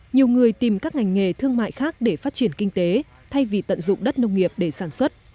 nhiều người tìm các ngành nghề thương mại khác để phát triển kinh tế thay vì tận dụng đất nông nghiệp để sản xuất